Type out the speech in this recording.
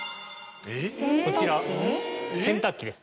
こちら洗濯機です。